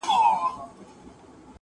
زه اجازه لرم چي کتابونه وړم!